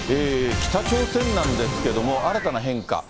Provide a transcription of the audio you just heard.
北朝鮮なんですけども、新たな変化。